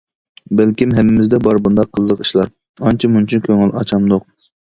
بەلكىم ھەممىمىزدە بار بۇنداق قىزىق ئىشلار، ئانچە-مۇنچە كۆڭۈل ئاچمامدۇق.